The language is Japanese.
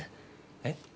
えっ？